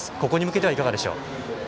ここに向けてはいかがでしょう。